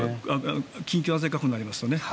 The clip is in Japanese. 緊急安全確保になりますと。